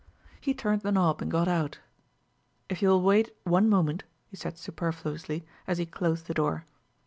He turned the knob and got out. "If you'll wait one moment," he said superfluously, as he closed the door.